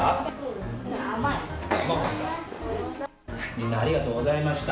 みんなありがとうございました。